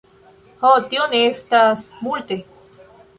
Ho, tio ne estas multe.